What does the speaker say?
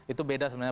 itu beda sebenarnya